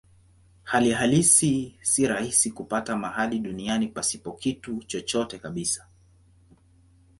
Hali halisi si rahisi kupata mahali duniani pasipo kitu chochote kabisa.